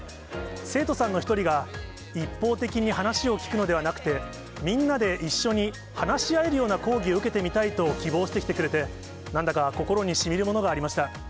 生徒さんの１人が、一方的に話を聞くのではなくて、みんなで一緒に、話し合えるような講義を受けてみたいと希望してきてくれて、なんだか心にしみるものがありました。